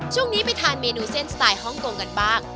ช่วงนี้ไปทานเมนูเส้นสไตล์ฮ่องกงกันบ้าง